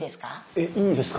えっいいんですか？